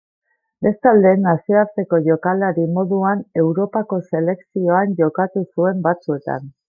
Bestalde, nazioarteko jokalari moduan Europako Selekzioan jokatu zuen batzuetan.